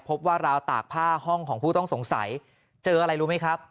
ว่าราวตากผ้าห้องของผู้ต้องสงสัยเจออะไรรู้ไหมครับ